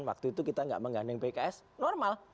waktu itu kita nggak menggandeng pks normal